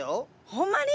ほんまに？